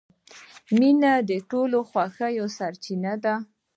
• مینه د ټولو خوښیو سرچینه ده.